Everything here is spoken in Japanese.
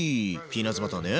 ピーナツバターね。